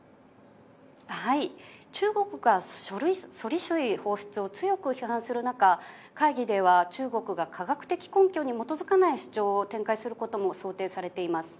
中国が処理水放出を強く批判する中、会議では、中国が科学的根拠に基づかない主張を展開することも想定されています。